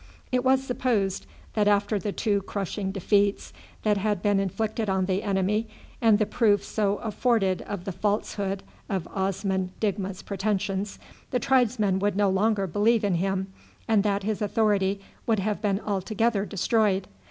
It was supposed that after the two crushing defeats that had been inflicted on the enemy, and the proof so afforded of the falsehood of Osman Digma's pretensions, the tribesmen would no longer believe in him, and that his authority would have been altogether destroyed.